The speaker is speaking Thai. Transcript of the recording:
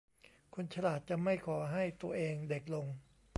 คนฉลาดจะไม่ขอให้ตัวเองเด็กลง